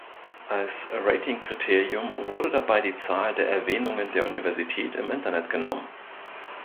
Als Rating-Kriterium wurde dabei die Zahl der Erwähnungen der Universität im Internet genommen.